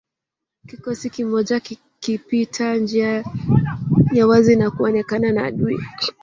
Kikosi kimoja kikipita njia ya wazi na kuonekana na adui